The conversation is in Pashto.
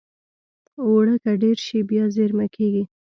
اوړه که ډېر شي، بیا زېرمه کېږي